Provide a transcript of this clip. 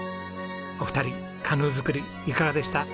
お二人カヌー作りいかがでした？